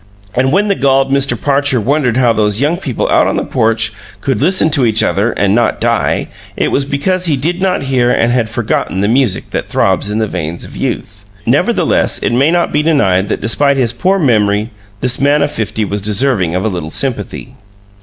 And when the galled Mr. Parcher wondered how those young people out on the porch could listen to each other and not die, it was because he did not hear and had forgotten the music that throbs in the veins of youth. Nevertheless, it may not be denied that despite his poor memory this man of fifty was deserving of a little sympathy.